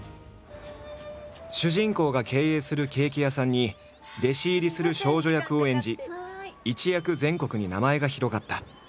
主人公が経営するケーキ屋さんに弟子入りする少女役を演じ一躍全国に名前が広がった。